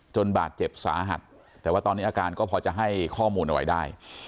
บาดเจ็บสาหัสแต่ว่าตอนนี้อาการก็พอจะให้ข้อมูลอะไรได้